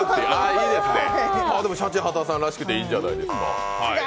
シャチハタさんらしくていいんじゃないですか。